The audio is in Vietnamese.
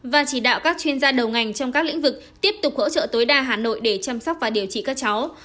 và chỉ đạo các chuyên gia đầu ngành trong các lĩnh vực tiếp tục hỗ trợ tối đa hà nội để chăm sóc và điều trị các cháu